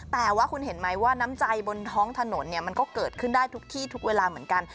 แต่ว่าคุณเห็นไหมว่าน้ำใจบนท้องถนนเนี่ยมันก็เกิดขึ้นได้ทุกที่ทุกเวลาเหมือนกัน